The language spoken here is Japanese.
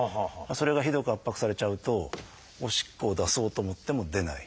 それがひどく圧迫されちゃうとおしっこを出そうと思っても出ない。